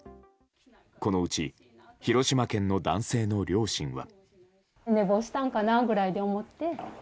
このうち広島県の男性の両親は。